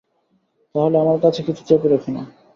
তা হলে আমার কাছে কিছু চেপে রেখো না।